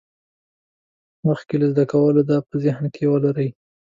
مخکې له زده کولو دا په ذهن کې ولرئ.